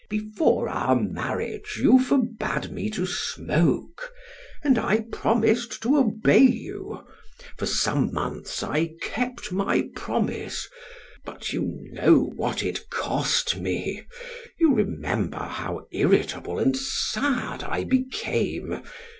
"Before our marriage, you forbade me to smoke, and I promised to obey you. For some months I kept my promise; but you know what it cost me; you remember how irritable and sad I became.